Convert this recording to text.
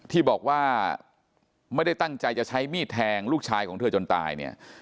ที่บอกว่าไม่ได้ตั้งใจจะใช้มีดแทงลูกชายของเธอจนตายเนี่ย